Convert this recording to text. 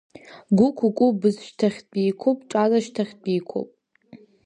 Гә қә кә бызшьҭахьтәиқәоуп, ҿыҵашьҭахьтәиқәоуп…